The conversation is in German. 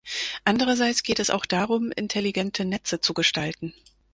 Andererseits geht es auch darum, intelligente Netze zu gestalten.